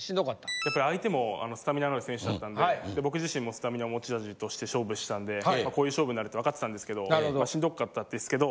やっぱり相手もスタミナのある選手だったので僕自身もスタミナを持ち味として勝負してたんでこういう勝負になるってわかってたんですけどしんどかったですけど。